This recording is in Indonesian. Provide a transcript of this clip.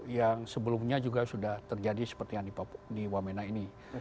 yang sebelumnya juga sudah terjadi seperti yang di wamena ini